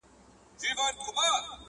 پر تسپو پر عبادت پر خیراتونو٫